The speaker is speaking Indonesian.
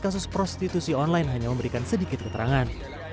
kasus prostitusi online hanya memberikan sedikit keterangan